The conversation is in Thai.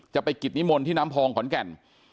จะไปกิจนิมนต์ที่น้ำพองขอนแก่น